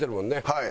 はい。